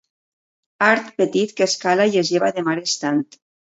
Art petit que es cala i es lleva de mar estant.